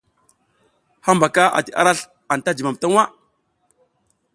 Hambaka ati arasl anta jum ta waʼa.